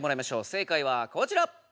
正解はこちら！